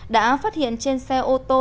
đã phát hiện trên xe ô tô